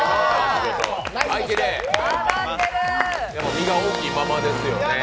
身が大きいままですよね。